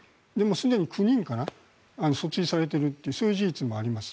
すでに９人訴追されているという事実もあります。